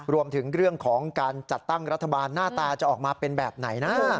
รวมถึงเรื่องของการจัดตั้งรัฐบาลหน้าตาจะออกมาเป็นแบบไหนนะ